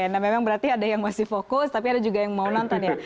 nah memang berarti ada yang masih fokus tapi ada juga yang mau nonton ya